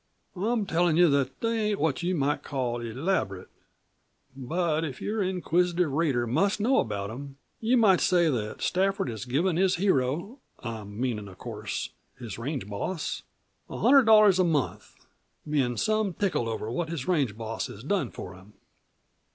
I'm tellin' you that they ain't what you might call elaborate. But if your inquisitive reader must know about them, you might say that Stafford is givin' his hero I'm meanin', of course, his range boss a hundred dollars a month bein' some tickled over what his range boss has done for him.